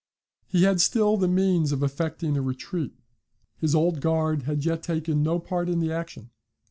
He had still the means of effecting a retreat. His Old Guard had yet taken no part in the action.